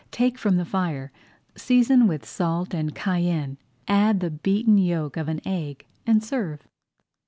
Take from the fire, season with salt and cayenne, add the beaten yolk of an egg, and serve.